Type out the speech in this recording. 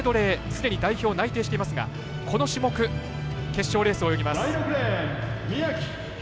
すでに代表内定していますがこの種目、決勝レースを泳ぎます。